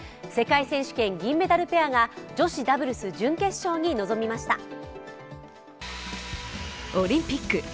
世界選手権銀メダルペアが女子ダブルス準決勝に臨みました。